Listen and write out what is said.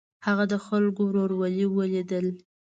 هغه د خلکو ورورولي ولیده.